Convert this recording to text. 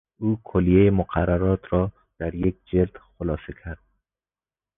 او کلیهی مقررات را در یک جلد خلاصه کرد.